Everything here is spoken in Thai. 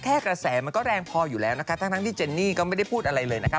กระแสมันก็แรงพออยู่แล้วนะคะทั้งที่เจนนี่ก็ไม่ได้พูดอะไรเลยนะคะ